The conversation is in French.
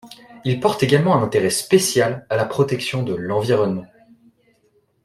Il porte également un intérêt spécial à la protection de l'environnement.